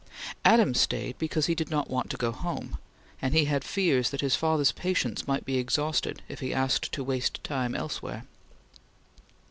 Adams stayed because he did not want to go home, and he had fears that his father's patience might be exhausted if he asked to waste time elsewhere.